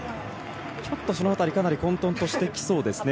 ちょっとその辺り、かなり混とんとしてきそうですね。